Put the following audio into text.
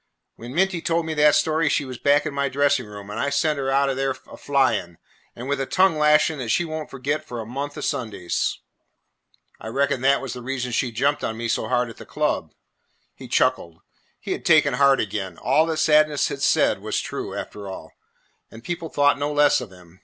When Minty told me that story, she was back in my dressing room, and I sent her out o' there a flying, and with a tongue lashing that she won't forget for a month o' Sundays." "I reckon that was the reason she jumped on me so hard at the club." He chuckled. He had taken heart again. All that Sadness had said was true, after all, and people thought no less of him.